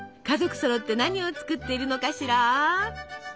家族そろって何を作っているのかしら？